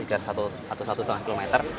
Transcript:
sekitar satu satu setengah kilometer